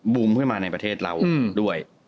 มูมเข้ามาในประเทศเราด้วย